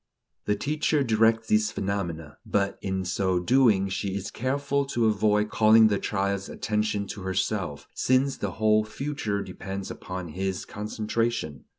The teacher directs these phenomena; but, in so doing, she is careful to avoid calling the child's attention to herself, since the whole future depends upon his concentration.